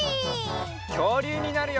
きょうりゅうになるよ！